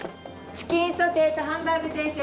チキンソテーとハンバーグ定食。